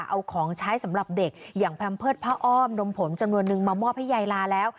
เอาของใช้สำหรับเด็กอย่างแพมเพิร์ตผ้าอ้อมนมผมจำนวนนึงมามอบให้ยายลาแล้ว